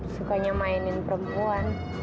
sukanya mainin perempuan